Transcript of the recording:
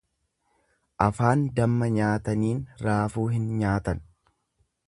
Afaan damma nyaataniin raafuu hin nyaatan.